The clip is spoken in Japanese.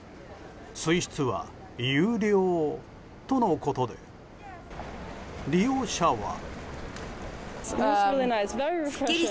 水質は優良とのことで利用者は。